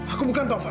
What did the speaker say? aku bukan taufan